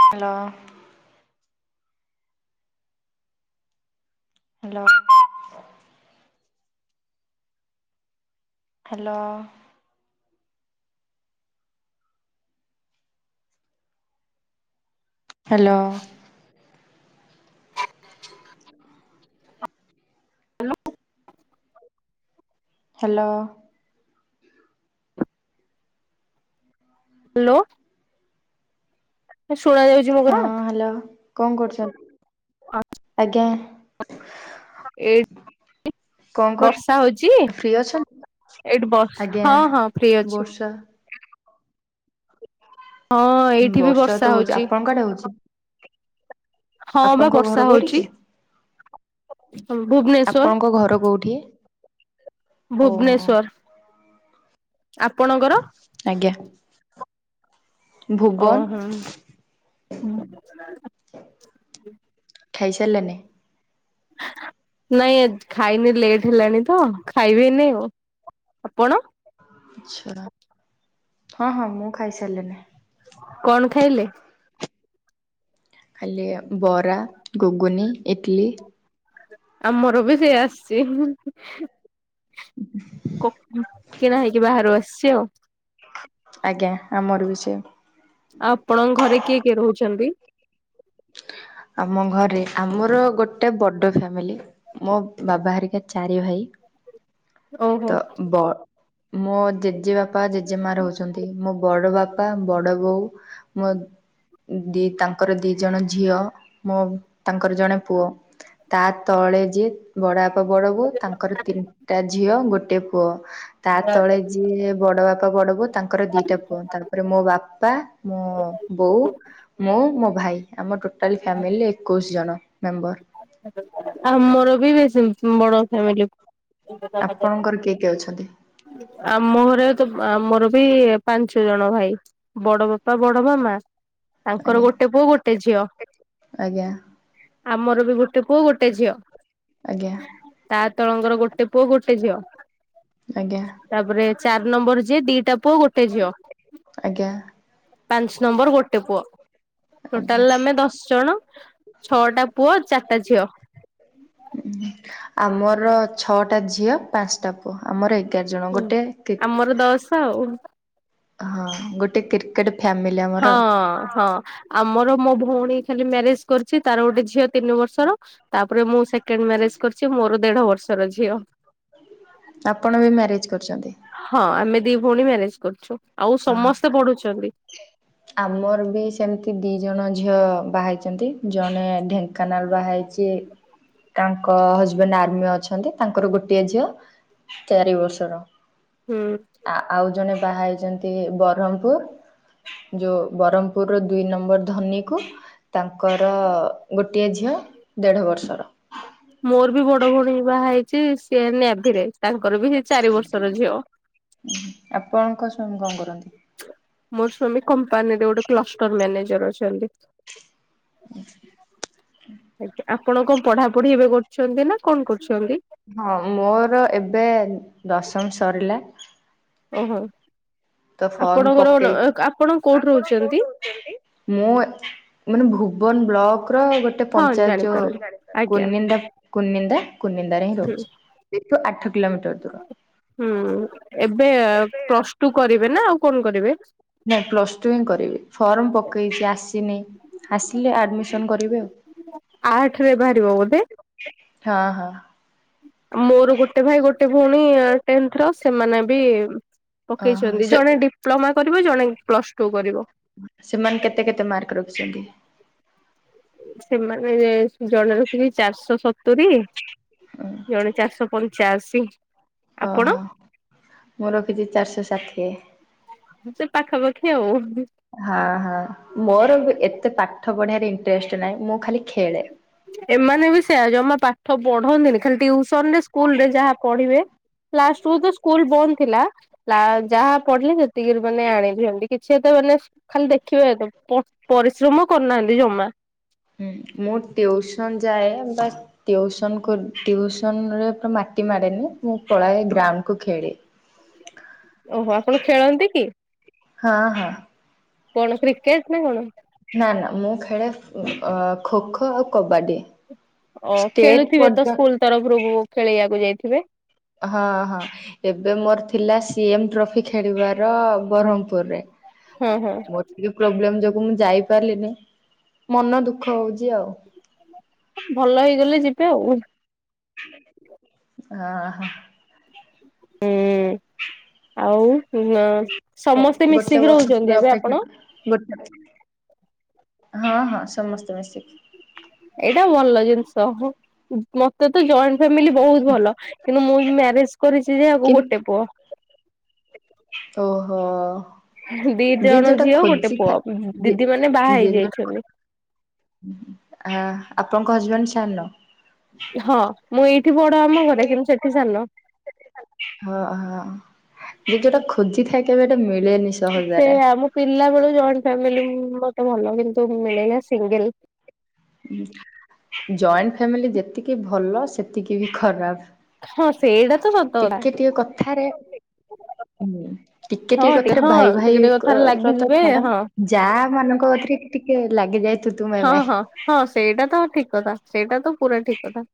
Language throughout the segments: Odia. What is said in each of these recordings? Hello. Hello. Hello. Hello. [unintelligible] Hello. Hello. ଶୁଣାଯାଉ ହଁ ହ୍ୟାଲୋ। କଣ କରୁଛନ୍ତି? ଆଜ୍ଞା। ଏଇ, କଣ କରୁ ବର୍ଷା ହଉଚି? ଫ୍ରି ଅଛନ୍ତି? ଏଇଠି ବସ୍ ଆଜ୍ଞା ହଁ ହଁ ଫ୍ରି ଅଛି ମୁଁ। ବର୍ଷା ହଁ ହୁଁ ଏଇଠି ବି ବର୍ଷା ତ ହଉଚି। ହଉଛି ଆପଣ ଙ୍କ ଆଡେ ହଉଚି? ହଁ ବା ଘର ବର୍ଷା କୋଉଠି ହଉଛି। କି? ଭୁବନେଶ୍ଵର ଆପଣଙ୍କ ଘର କୋଉଠି? ଓହୋ ଭୁବନେଶ୍ଵର ଆପଣଙ୍କର? ଆଜ୍ଞା। ଓ ଭୁବନ ହୋ ହଁ। ଖାଇସାରିଲେଣି? ନାଇଁ ଖାଇନି ଲେଟ୍ ହେଲାଣି ତ ଖାଇବେନି ଆଉ ଆପଣ? ଆଚ୍ଛା ହଁ ହଁ ମୁଁ ଖାଇସାରିଲିଣି। କଣ ଖାଇଲେ? ଖାଲି ବରା ଘୁଗୁନି ଇଟଲି। ଆମର ବି ସେଇଆ ଆସିଛି। ହୁଁ ହୁଁ। କୋ କିଣା ହେଇକି ବାହାରୁ ଆସିଛି ଆଉ। ଆଜ୍ଞା ଆମର ବି ସେଇଆ। ଆଉ ଆପଣଙ୍କ ଘରେ କିଏ କିଏ ରହୁଛନ୍ତି? ଆମ ଘରେ ଆମର ଗୋଟେ ବଡ ଫ୍ୟାମିଲି। ମୋ ବାବା ହେରିକା ଚାରି ଭାଇ ଓହୋ ତ ବ ମୋ ଜେଜେବାପା ଜେଜେ ମା ରହୁଛନ୍ତି ମୋ ବଡ ବାପା ବଡ ବୋଉ ମୋ ଦି ତାଙ୍କର ଦି ଜଣ ଝିଅ ମୋ ତାଙ୍କର ଜଣେ ପୁଅ। ତା ତଳେ ଯିଏ ବଡବାପା ବଡ ବୋଉ ତାଙ୍କର ତିନିଟା ଝିଅ ଗୋଟେ ପୁଅ। ତା ତଳେ ଯିଏ ବଡ଼ ବାପା ବଡ଼ ବୋଉ ତାଙ୍କର ଦିଟା ପୁଅ ତାପରେ ମୋ ବାପା ମୋ ବୋଉ ମୁଁ ମୋ ଭାଇ ଆମର ଟୋଟାଲ ଫ୍ୟାମିଲି ଏକୋଇଶି ଜଣ ମେମ୍ବର। ଆଉ ମୋର ବି ବେଶୀ ବଡ ଫ୍ୟାମିଲି। ଆପଣଙ୍କର କିଏ କିଏ ଅଛନ୍ତି? ଆମ ଘରେ ତ ଆମର ବି ପାଞ୍ଚ ଜଣ ଭାଇ। ବଡ ବାପା ବଡ ମାମା ଆଜ୍ଞା ତାଙ୍କର ଗୋଟେ ପୁଅ ଗୋଟେ ଝିଅ। ଆଜ୍ଞା। ଆମର ବି ଗୋଟେ ପୁଅ ଗୋଟେ ଝିଅ ଆଜ୍ଞା ତା ତଳଙ୍କର ଗୋଟେ ପୁଅ ଗୋଟେ ଝିଅ। ଆଜ୍ଞା। ତାପରେ ଚାର ନମ୍ବର ଯିଏ ଦିଟା ପୁଅ ଗୋଟେ ଝିଅ ଆଜ୍ଞା। ପାଞ୍ଚ ନମ୍ବର ଗୋଟେ ପୁଅ ଆଜ୍ଞା। ଟୋଟାଲ ଆମେ ଦଶ ଜଣ। ଛଅଟା ପୁଅ ଚାରିଟା ଝିଅ। ଆମର ଛଅଟା ଝିଅ ପାଞ୍ଚଟା ଆମର ଏଗାର ଜଣ ଗୋଟେ ଆମର ଦଶ ଆଉ ହଁ ଗୋଟେ କେ ଫାମିଲି ଆ ହଁ ହଁ। ଆମର ମୋ ଭଉଣୀ ଖାଲି ମ୍ୟାରେଜ କରିଛି ତାର ଗୋଟେ ଝିଅ ତିନି ବର୍ଷର ତାପରେ ମୁଁ ସେକେଣ୍ଡ ମ୍ୟାରେଜ କରିଛି ମୋର ଦେଢ ବର୍ଷର ଝିଅ। ଆପଣ ବି ମ୍ୟାରେଜ୍ କରିଛନ୍ତି? ହଁ ଆମେ ଦି ଭଉଣୀ ମ୍ୟାରେଜ କରିଛୁ ଆଉ ହଁ ହଁ ସମସ୍ତେ ପଢୁଛନ୍ତି। ଆମର ବି ସେମିତି ଦି ଜଣ ଝିଅ ବାହା ହେଇଛନ୍ତି ଜଣେ ଢେଙ୍କ ଙ୍କାନାଲ ବାହା ହେଇଛି ତାଙ୍କ ହଜବେଣ୍ଡ ଆର୍ମି ଅଛନ୍ତି ତାଙ୍କର ଗୋଟିଏ ଝିଅ ଚାରି ବର୍ଷର। ହୁଁ। ଆ ଆଉ ଜଣେ ବାହା ହେଇଛନ୍ତି ବରହମପୁର ଯୋଉ ବ୍ରହ୍ମପୁର ର ଦୁଇ ନମ୍ବର ଧନୀ କୁ ତାଙ୍କର ଗୋଟିଏ ଝିଅ ଦେଢ଼ ବର୍ଷର। ମୋରବି ବଡ଼ ଭଉଣୀ ବାହା ହେଇଚି ସିଏ ନଭିରେ ତାଙ୍କରବି ସେଇ ଚାରି ବର୍ଷର ଝିଅ। ହୁଁ ଆପଣଙ୍କ ସ୍ଵାମୀ କଣ କରନ୍ତି? ମୋସ୍ଵାମୀ କମ୍ପାନୀରେ ଗୋଟେ କ୍ଲଷ୍ଟର ମ୍ୟାନେଜର ଅଛନ୍ତି। ଆଜ୍ଞା ଆପଣ କଣ ପଢ଼ାପଢ଼ି ଏବେ କରୁଛନ୍ତିନା କଣ କରୁଛନ୍ତି? ହଁ ମୋର ଏବେ ଦଶମ ସରିଲା। ଓହୋ ତ ଫର୍ମ ଆପଣଙ୍କର ପକେଇଚି। ଆପଣ କୋଉଠି ରହୁଛନ୍ତି? ମୁଁ ମାନେ ଭୁବନ ବ୍ଲକର ଗୋ ଗୋଟେ ହଁ ପଞ୍ଚାୟତ ଯୋଉ ଜାଣିପାରିଲି। ଆଜ୍ଞା କୁର୍ନିନ୍ଦା କୁର୍ନିନ୍ଦା କୁର୍ନିନ୍ଦାରେ ହିଁ ହୁଁ ରହୁଚି। ଏଠୁ ଆଠ କିଲୋମିଟର୍ ଦୂର। ହୁଁ ଏବେ ପ୍ଲସ୍ ଟୁ କରିବେନା ଆଉ କଣ କରିବେ। ନାଇଁ ପ୍ଲସଟୁ ହିଁ କରିବି ଫର୍ମ ପକେଇଚି ଆସିନି। ଆସିଲେ ଆଡମିଶନ୍ କରିବେ ଆଉ। ଆଠରେ ବାହାରିବ ବୋଧେ? ହଁ ହଁ। ମୋର ଗୋଟେ ଭାଇ ଗୋଟେ ଭଉଣୀ ଟେନ୍ଥର ସେମାନେବି ଓହୋ ପକେଇଚନ୍ତି ସେ ଜଣେ ଡିପ୍ଲୋମା କରିବ ଜଣେ ପ୍ଲସ୍ ଟୁ କରିବ। ସେମାନେ କେତେ କେତେ ମାର୍କ ରଖିଛନ୍ତି? ସେମାନେ ଜଣେ ରଖିଚି ଚାରିଶହ ସତୁରି ଜଣେ ଚାରିଶହ ପ ପଞ୍ଚା ଅଶି। ଓହୋ ମୁଁ ରଖିଚି ଚାରିଶହ ଷାଠିଏ। ସେ ପାଖାପାଖି ଆଉ। ହଁ ହଁ ମୋରବି ଏତେ ପାଠ ପଢିବାରେ ଇଣ୍ଟରେଷ୍ଟ ନାହିଁ ମୁଖାଲି ଖେଳେ। ଏମାନେବି ସେୟା ଜମା ପାଠ ପଢନ୍ତିନି ଖାଲି ଟୁଉସନରେ ସ୍କୁଲରେ ଯାହା ପଢ଼ିବେ। ଲାଷ୍ଟଟକୁତ ସ୍କୁଲ୍ ବନ୍ଦ ଥିଲା। ଲା ଯାହା ପଢ଼ିଲେ ସେତିକିରୁ ମାନେ ଆଣିଛନ୍ତି କିଛି ଏତେ ମାନେ ଖାଲି ଦେଖିବେତ ପ ପରିଶ୍ରମ କରିନାହାନ୍ତି ଜମା। ହୁଁ ମୁଁ ଟିଉସନ୍ ଯାଏ ବା ଟିଉସନ କରୁ ଟିଉସନରେ ପୁରା ମାଟି ମାଡ଼େନି ମୁଁ ପଳାଏ ଗ୍ରାଉଣ୍ଡକୁ ଖେଳି। ଓହୋ ଆପଣ ଖେଳନ୍ତିକି? ହଁ ହଁ। କଣ କ୍ରିକେଟେନା କଣ? ନା ନା ମୁଁ ଖେଳେ ଅ ଖୋ ଖୋ ଆଉ କବାଡି। ଓ ଷ୍ଟେଟ ଖେଳୁଥିବେତ ପର୍ଯ୍ୟ ସ୍କୁଲ୍ ତରଫରୁ ବୋହୁ ଖେଳିବାକୁ ଯାଇଥିବେ? ହଁ ହଁ। ଏବେ ମୋର ଥିଲା ସି ଏମ ଟ୍ରଫି ଖେଳିବାର ବହ୍ମପୁରୁରେ। ହୁଁ ହୁଁ। ମୋର ଟିକେ ପ୍ରୋବ୍ଲେମ ଯୋଗୁ ମୁଁ ଯାଇପାରିଲିନି ମନ ଦୁଃଖ ହଉଚି ଆଉ। ଭଲ ହେଇଗଲେ ଯିବେ ଆଉ। ଓହୋ। ହୁଁ ଆଉ ଗୋ ସମସ୍ତେ ଗୋଟେ ମିଶିକି ବର୍ଷ ରହୁଛନ୍ତି ପୁରା ଏବେ ଅପେକ୍ଷା ଆପଣ? ଗୋଟେ ହଁ ହଁ ସମସ୍ତେ ମିଶିକି। ଏଇଟା ଭଲ ଜିନିଷ ହଁ। ମତେତ ଜଏଣ୍ଟ ଫ୍ୟାମିଲି ବହୁତ୍ ଭଲ କିନ୍ତୁ ମୁଁ ମ୍ୟାରେଜ୍ କରିଚି ଯାହାକୁ କି ଗୋଟେ ପୁଅ। ଓହୋ। ଦି ଯିଏ ଜଣ ଯୋଉଟା ଝିଅ ଗୋଟେ ପୁଅ ଖୋଜିଥାଏ ଯି ଦିଦି ମାନେ ବାହା ଯିଏଯୋଉଟା ହେଇଯାଇଛନ୍ତି ଆ ଆପଣଙ୍କ ହଜବେଣ୍ଡ ସାନ? ହଁ ମୁଁ ଏଇଠି ବଡ଼ ଆମଘରେ କିନ୍ତୁ ସେଠି ସାନ। ସେଟି ସାନ ଓହୋ ଯିଏ ଯୋଉଟା ଖୋଜିଥାଏ କେବେ ହେଟା ମିଳେନି ସହଜରେ। ସେୟା ମୁପିଲା ବେଳୁ ଜଏଣ୍ଟ ଫ୍ୟାମିଲିମୁ ମତେ ଭଲ କିନ୍ତୁ ମିଳିଲା ସିଙ୍ଗଲ୍। ଉ ଜଏଣ୍ଟ ଫ୍ୟାମିଲି ଯେତିକି ଭଲ ସେତିକିବି ଖରାପ୍। ହଁ ସେଇଟା ତ ସତ କଥା ଟିକେ ଟିକେ କଥାରେ ଟିକେ ହଁ ଟିକେ କଥାରେ ହଁ ଭାଇ ଟିକେ ଟିକେ କଥାରେ ଭାଇଙ୍କର ତ ଲାଗିଯିବେ ଛାଡ଼ ହଁ ଯାଆ ମାନଙ୍କ କତିରେ ଟିକେ ଲାଗିଯାଏ। ତୁ ତୁ ମେ ହଁ ମେ। ହଁ ହଁ ସେଇଟା ତ ଠିକ କଥା ସେଇଟା ତ ପୁରା ଠିକ କଥା।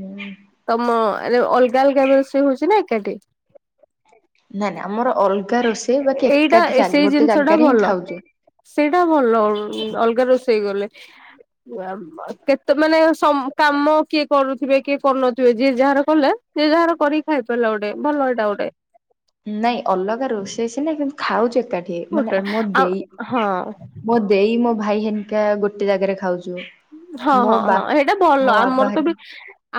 ହୁଁ। ତମ ଆରେ ଅଲଗା ଅଲଗା ରୋଷେଇ ହଉଛି ନା ଏକାଠି। ନାଇ ନାଇଁ ଆମର ଅଲଗା ରୋଷେଇ ବାକି ଏଇଟା ଏକାଠି ସେଇ ଗୋଟେ ଜିନିଷ ଟା ଜାଗାରେ ହିଁ ଭଲ ଖାଉଛୁ। ସେଇଟା ଭଲ ଅଲଗା ରୋଷେଇ କଲେ। କେତେ ମାନେ ସମ କାମ କିଏ କରୁଥିବେ କିଏ କରୁନଥିବେ ଯିଏ ଯାହାର କଲେ। ଯିଏ ଯାହାର କରିକି ଖାଇ ପାରିଲା ଗୋଟେ ଭଲ ହେଇଟା ଗୋଟେ। ନାଇଁ ଅଲଗା ରୋଷେଇ ସିନା କିନ୍ତୁ ଖାଉଛୁ ଏକାଠି। ମାନେ ଗୋଟେ ମୋ ଆଉ ଦେଇ ହଁ। ମୋ ଦେଇ ମୋ ଭାଇ ହେରିକା ଗୋଟେ ଜାଗାରେ ଖାଉଛୁ। ହଁ ମୋ ହଁ ବା ହଁ ଏଇଟା ମୋ ଭଲ ବାବା ଆମର ତ ବି ହେରିକା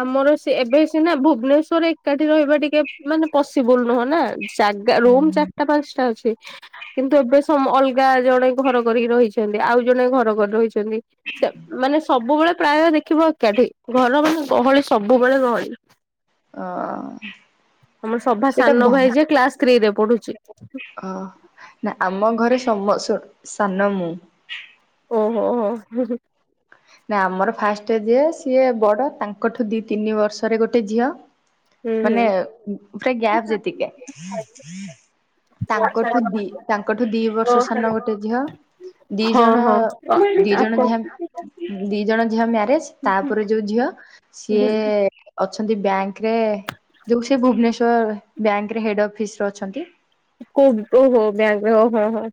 ଆମର ସେ ଏବେ ସିନା ଭୁବନେଶ୍ଵରରେ ଏକାଠି ରହିବା ଟିକେ ମାନେ ପସିବୁଲ ନୁହଁ ନା। ଜାଗା ହୁଁ ରୁମ୍ ହୁଁ ଚାରିଟା ପାଞ୍ଚଟା ଅଛି। କିନ୍ତୁ ଏବେ ସମ ଅଲଗା ଜଣେ ଘର କରିକି ରହିଛନ୍ତି ଆଉ ଜଣେ ଘର କରିଦଉଛନ୍ତି। ସେ ମାନେ ସବୁବେଳେ ପ୍ରାୟ ଦେଖିବ ଏକାଠି ଘରମାନେ ଗହଳି ସବୁବେଳେ ଗହଳି। ହଁ। ଆମର ସଭା ସାନ ଭାଇ ଯେ କ୍ଲାସ୍ ଥ୍ରୀରେ ପଢୁଛି। ଅ ନା ଆମ ଘରେ ସମ ସୁ ସାନ ମୁଁ। ଓହୋ ହୋ। ନା ଆମର ଫାଷ୍ଟ ଯିଏ ସିଏ ବଡ ତାଙ୍କଠୁ ଦି ତିନି ବର୍ଷରେ ଗୋଟେ ଝିଅ ହୁଁ ହୁଁ। ମାନେ ପୁରା ଗ୍ୟାପ୍ ଯେତିକି ତାଙ୍କଠୁ ଦି ତାଙ୍କଠୁ ଦି ବର୍ଷ ସାନ ଗୋଟେ ଝିଅ। ଦି ହଁ ଜଣ ହଁ ଦି ଜଣ ଆପଣ ଝିଅ ଆ ଦି ଜଣ ଝିଅ ମ୍ୟାରେଜ ତାପରେ ଯୋଉ ଝିଅ ସିଏ ଅଛନ୍ତି ବ୍ୟାଙ୍କ ରେ ସିଏ ଯୋଉ ସେ ଭୁବନେଶ୍ଵର ବ୍ୟାଙ୍କରେ ହେଡ ଅଫିସରେ ଅଛନ୍ତି। କୋଉ ଓହୋ ବ୍ୟାଙ୍କରେ ଓହୋ ହୋ।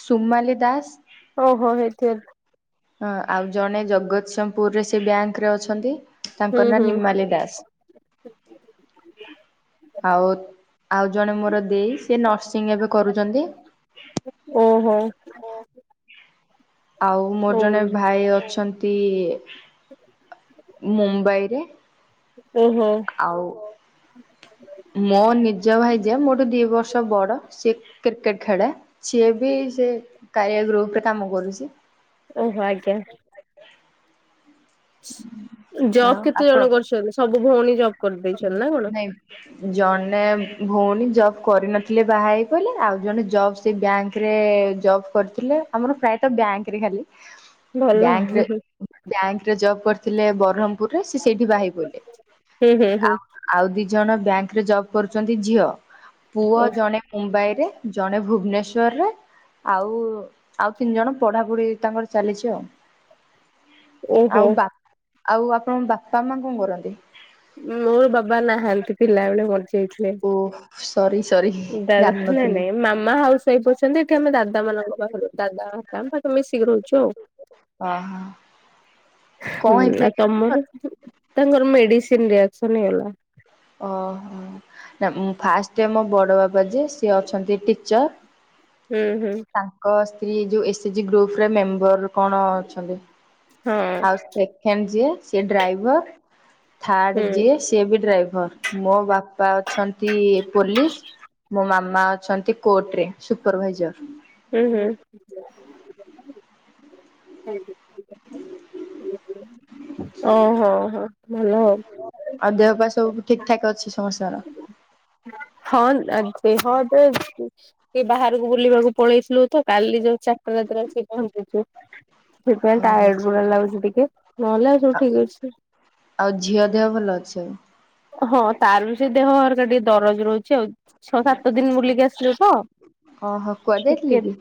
ସୁମାଲି ଦାସ। ଓହୋ ହେଇଥିବେ। ହଁ ଆଉ ଜଣେ ଜଗତସିଂହପୁରରେ ସେ ବ୍ୟାଙ୍କରେ ଅଛନ୍ତି। ହୁଁ ତାଙ୍କ ନାଁ ହୁଁ ନିମାଲି ଦାସ। ଆଉ ଆଉ ଜଣେ ମୋର ଦେଇ ସିଏ ନର୍ସିଂ ଏବେ କରୁଛନ୍ତି। ଓହୋ। ଆଉ ମୋର ଓ ଜଣେ ଭାଇ ଅଛନ୍ତି ମୁମ୍ବାଇରେ। ଓହୋ। ଆଉ ମୋ ନିଜ ଭାଇ ଯେ ମୋଠୁ ଦିଇ ବର୍ଷ ବଡ଼ ସିଏ କ୍ରି କ୍ରିକେଟ ଖେଳେ। ସିଏ ବି ସେ କାରିଆ ଗ୍ରୁପରେ କାମ କରୁଛି। ଓହୋ ଆଜ୍ଞା। ଜବ୍ ଆଉ କେତେ ଆପଣ ଜଣ କରୁଛନ୍ତି ସବୁ ଭଉଣୀ ଜବ କରିଦେଇଛନ୍ତି ନା କଣ? [unintelligible] ଜଣେ ଭଉଣୀ ଜବ୍ କରିନଥିଲେ ବାହା ହେଇ ପଇଲେ ଆଉ ଜଣେ ଜବ୍ ସେ ବ୍ୟାଙ୍କରେ ଜବ କରିଥିଲେ ଆମର ପ୍ରାଏତ ବ୍ୟାଙ୍କରେ ଖାଲି ଭଲ ହୁଁ ବ୍ୟାଙ୍କ ହୁଁ। ବ୍ୟାଙ୍କରେ ଜବ୍ କରିଥିଲେ ବରମ୍ ପୁରରେ ସେ ସେଇଠି ବାହାହେଇ ପଇଲେ ହୁଁ ହୁଁ ଆଉ ଆଉ ଦି ଜଣ ବ୍ୟାଙ୍କରେ ଜବ କରୁଛନ୍ତି ଝିଅ ପୁଅ ହୁଁ ଜଣେ ମୁମ୍ବାଇରେ ଜଣେ ଭୁବନେଶ୍ଵରରେ ଆଉ ଆଉ ତିନି ଜଣ ପଢାପଢ଼ି ତାଙ୍କର ଚାଲିଛି ଆଉ। ଓହୋ ଆଉ ବା ଆଉ ଆପଣଙ୍କ ବାପା, ମା କଣ କରନ୍ତି? ମୋର ବାବା ନାହାନ୍ତି ପିଲାବେଳୁ ମରି ଥିଲେ ଓଃ ସରି ସରି ନାଇ ଜାଣିନଥିଲି ନାଇ ମାମା ହାଉସ୍ [unintelligible] ଏଠି ଆମେ ଦାଦାମାନଙ୍କ ପାଖରୁ ଦାଦାତାଙ୍କ ପାଖେ ମିଶିକି ରହୁଛୁ ଆଉ। ଓହୋ କଣ ହୁଁ ହେଇଥିଲା ଆଉ କି ଆପଣଙ୍କର? ତମର? ତାଙ୍କର ମେଡିସିନ ରିଆକ୍ସନ ହେଇଗଲା। ଓହୋ! ନା ଫାଷ୍ଟ ମୋ ବଡ ବାବା ଯେ ସିଏ ଅଛନ୍ତି ଟିଚର ହୁଁ, ହୁଁ, ତାଙ୍କ ସ୍ତ୍ରୀ ଯୋଉ ଏସେଜି ଗ୍ରୁପରେ ମେମ୍ବର କଣ ଅଛନ୍ତି? ହଁ ଆଉ ସେକେଣ୍ଡ ଯିଏ ସିଏ ଡ୍ରାଇଭର, ଆଉ ଥାର୍ଡ ଯିଏ ସେ ବି ଡ୍ରାଇଭର ମୋ ବାପା ଅଛନ୍ତି ପୋଲିସ ମୋ ମାମା ଅଛନ୍ତି କୋର୍ଟ ରେ ସୁପରଭାଇଜର। ଉହୁଁ। ଓହୋ ହୋ ଭଲ। ଆଉ ଦେହ ପା ସବୁ ଠିକ ଠାକ ଅଛି ସମସ୍ତଙ୍କର? ହଁ, ଆ ଦେହ ଏବେ ସେ ବାହାରକୁ ବୁଲିବାକୁ ପଳେଇଥିଲୁ ତ କାଲି ଯୋଉ ଚାରିଟା ରାତିରେ ଆସି ପହଞ୍ଚିଛୁ। ସେଥିପାଇଁ ଓହୋ। ଟାୟାର୍ଡ ଗୁଡା ଲାଗୁଛି ଟିକେ ନହେଲେ ଆଉ ସବୁ ଠିକ୍ ଅଛି। ଆଉ ଝିଅ ଦେହ ଭଲ ଅଛି? ହଁ ତାର ବି ସେ ଦେହ ହରକା ଟିକେ ଦରଜ ରହୁଛି ଆଉ। ଛଅ ସାତ ଦିନି ବୁଲି କି ଆସିଲୁ ତ ଆଉ ଓହୋ କୁଆଡେ ଯାଇଥିଲେ ଟିକେ କି?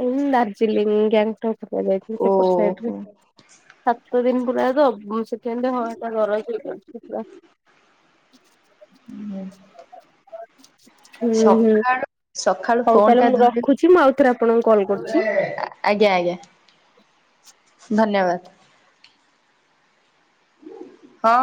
ହୁଁ ଦାର୍ଜିଲିଙ୍ଗ, ଗ୍ୟାଙ୍ଗଟପ ସେପଟ ଓହୋ ସାଇଡ ସାତ ଦିନି ପୁରା ତ ସେ ହଁ କହିଲେ ନ ରହିଥିଲେ ଭଲ ହେଇଥାନ୍ତା। [inaudible] [inaudible] ହୁଁ ହୁଁ ସକାଳୁ ସକାଳୁ ହଉ ଫୋନ ତାହେଲେ ଟା ମୁଁ ଧରିି ରଖୁଛି ମୁଁ ଆଉଥରେ ଆପଣଙ୍କୁ କଲ୍ କରୁଛି। ଆଜ୍ଞା, ଆଜ୍ଞା ଧନ୍ୟବାଦ! ହଁ,